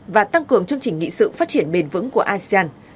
và tăng cường chương trình nghị sự phát triển bền vững của asean